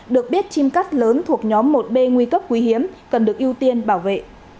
được biết chim cắt lớn thuộc nhóm một b nguy cấp quý hiếm cần được ưu tiên bảo vệ